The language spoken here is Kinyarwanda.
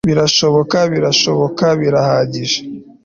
birashoboka, birashoboka, birahagije